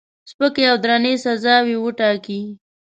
سپکې او درنې سزاوي وټاکي.